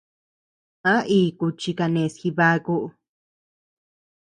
¿A iku chi kenés Jibaku?